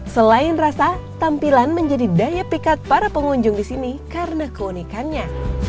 selain rasa tampilan menjadi daya pikat para pengunjung di sini karena keunikannya